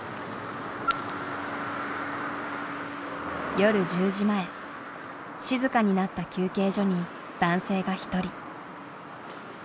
夜１０時前静かになった休憩所に男性が一人。